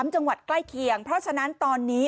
จังหวัดใกล้เคียงเพราะฉะนั้นตอนนี้